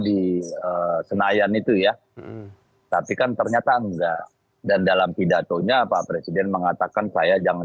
di senayan itu ya tapi kan ternyata enggak dan dalam pidatonya pak presiden mengatakan saya jangan